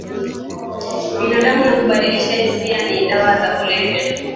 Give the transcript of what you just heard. binadamu na kumbadilisha hisia ni dawa za kulevya